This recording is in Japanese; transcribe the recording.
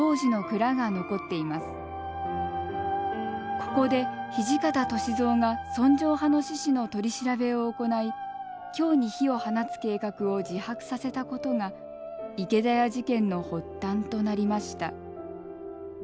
ここで土方歳三が尊攘派の志士の取り調べを行い京に火を放つ計画を自白させたことが池田屋事件の発端となりました。